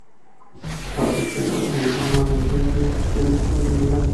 Abrió talleres en Roma, en "Via Veneto", y en Milán.